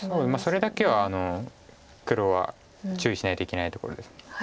それだけは黒は注意しないといけないところです。